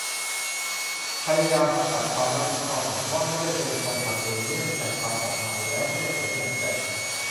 พยายามปัดความรับผิดชอบน่ะ ว่าไม่ได้เป็นคนทำเอง เนื่องจากทำออกมาแล้วไม่ได้ผลอย่างใจ